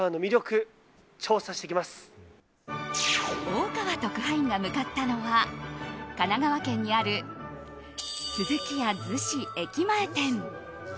大川特派員が向かったのは神奈川県にあるスズキヤ逗子駅前店。